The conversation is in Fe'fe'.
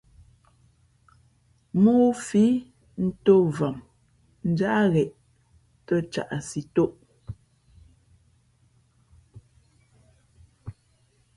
̀mōō fi, ntōm vam njáʼ gheʼ tᾱ caʼsi tōʼ.